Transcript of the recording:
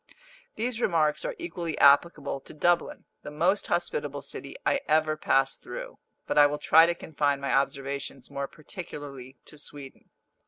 These remarks are equally applicable to Dublin, the most hospitable city I ever passed through. But I will try to confine my observations more particularly to Sweden.